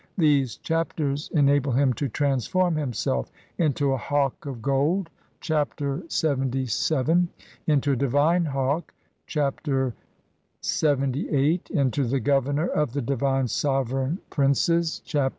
These Chapters en able him to transform himself into a hawk of gold (Chap. LXXVII), into a divine hawk (Chap. LXXVIII), into the Governor of the divine sovereign princes (Chap.